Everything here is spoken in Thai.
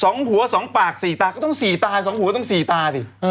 สองหัวสองปากสี่ตาก็ต้องสี่ตาสองหัวต้องสี่ตาสิ